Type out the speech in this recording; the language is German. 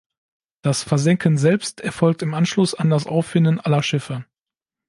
Das Versenken selbst erfolgt im Anschluss an das Auffinden aller Schiffe.